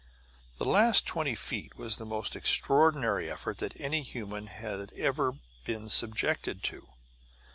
The last twenty feet was the most extraordinary effort that any human had ever been subjected to.